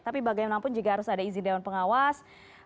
tapi bagaimanapun juga harus ada izin dewan pengawas